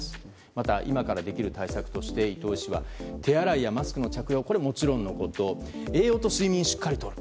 また今からできる対策として伊藤医師は手洗いやマスクの着用はもちろんのこと栄養と睡眠をしっかりとる。